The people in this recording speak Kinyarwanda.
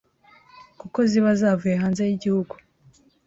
kuko ziba zavuye hanze y’igihugu